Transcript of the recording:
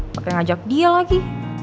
pake ngajak dia lagi